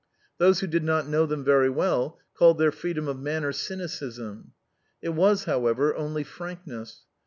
Those who did not know them very well called their freedom of manner cynicism. It was, however, only frankness.